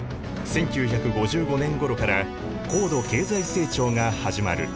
１９５５年ごろから高度経済成長が始まる。